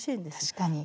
確かに。